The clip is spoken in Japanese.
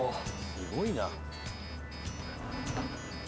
すごいな。